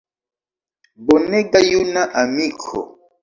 Bonega juna amiko!